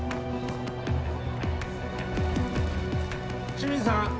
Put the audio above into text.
清水さん